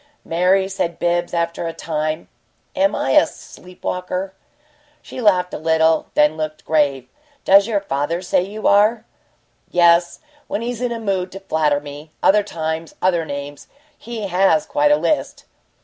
"Mary," said Bibbs, after a time, "am I a sleep walker?" She laughed a little, then looked grave. "Does your father say you are?" "Yes when he's in a mood to flatter me. Other times, other names. He has quite a list."